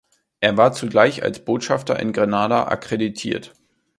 Er war zugleich als Botschafter in Grenada akkreditiert.